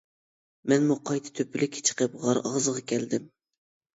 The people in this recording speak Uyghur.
مەنمۇ قايتا تۆپىلىككە چىقىپ غار ئاغزىغا كەلدىم.